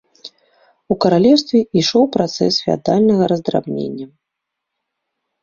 У каралеўстве ішоў працэс феадальнага раздрабнення.